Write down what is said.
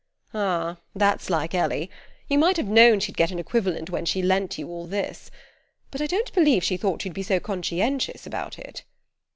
"Ah, that's like Ellie: you might have known she'd get an equivalent when she lent you all this. But I don't believe she thought you'd be so conscientious about it."